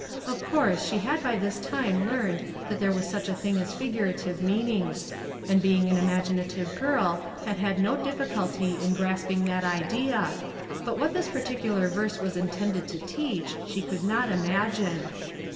Of course she had by this time learned that there was such a thing as figurative meanings, and being an imaginative girl had had no diffi culty in grasping that idea, but what this par ticular verse was intended to teach, she could not imagine.